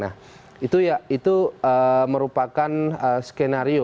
nah itu ya itu merupakan skenario